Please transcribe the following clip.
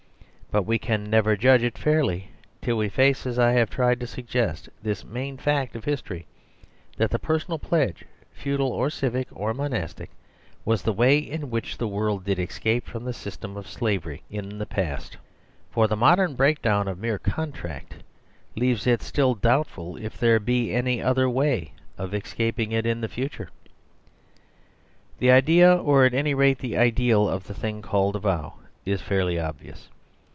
But we can never judge it fairly till we face, as I have tried to suggest, this main fact of history; that the personal pledge, feudal or civic or monastic, was the way in which the world did escape from the system of slavery in the past. For the modern break down of mere contract leaves it still doubtful if there be any other way of escaping it in the fu ture. The idea, or at any rate the ideal, of the thing called a vow is fairly obvious.